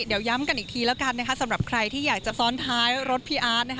เดี๋ยวย้ำกันอีกทีแล้วกันนะคะสำหรับใครที่อยากจะซ้อนท้ายรถพี่อาร์ตนะคะ